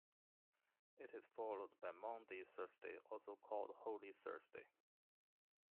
It is followed by Maundy Thursday, also called Holy Thursday.